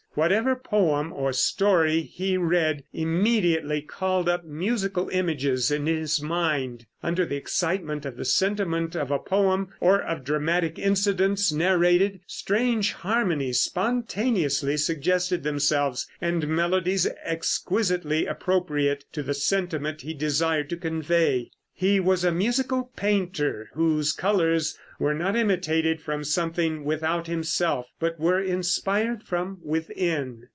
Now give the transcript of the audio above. Whatever poem or story he read immediately called up musical images in his mind. Under the excitement of the sentiment of a poem, or of dramatic incidents narrated, strange harmonies spontaneously suggested themselves, and melodies exquisitely appropriate to the sentiment he desired to convey. He was a musical painter, whose colors were not imitated from something without himself, but were inspired from within.